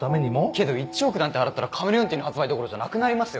けど１億なんて払ったらカメレオンティーの発売どころじゃなくなりますよ。